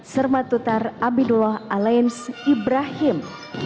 sermatutar abidullah alains ibrahim